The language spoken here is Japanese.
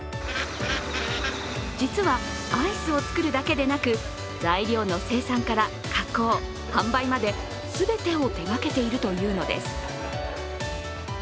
実は、アイスを作るだけでなく材料の生産から加工、加工、販売まで全てを手がけているというのです。